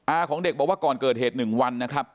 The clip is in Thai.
ของเด็กบอกว่าก่อนเกิดเหตุ๑วันนะครับ